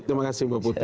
terima kasih mbak putri